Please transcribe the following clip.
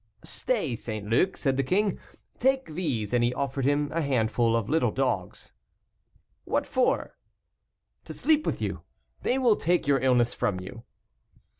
"Stay, St. Luc," said the king, "take these," and he offered him a handful of little dogs. "What for?" "To sleep with you; they will take your illness from you."